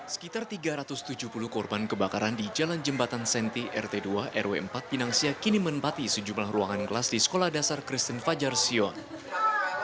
sekitar tiga ratus tujuh puluh korban kebakaran di jalan jembatan senti rt dua rw empat pinang sia kini menempati sejumlah ruangan kelas di sekolah dasar kristen fajar sion